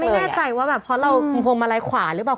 ไม่แน่ใจว่าแบบเพราะเราพวงมาลัยขวาหรือเปล่า